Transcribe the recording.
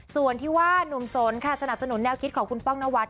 ส่วนที่ว่านุ่มสนค่ะสนับสนุนแนวคิดของคุณป้องนวัฒ